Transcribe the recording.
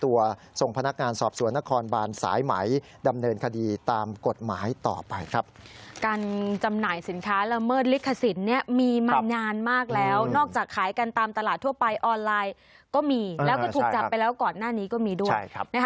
วิธีขสินมีมานานมากแล้วนอกจากขายกันตามตลาดทั่วไปออนไลน์ก็มีแล้วก็ถูกจำไปแล้วก่อนหน้านี้ก็มีด้วย